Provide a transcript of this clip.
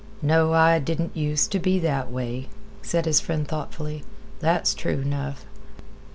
"No, I didn't use t' be that way," said his friend thoughtfully. "That's true 'nough."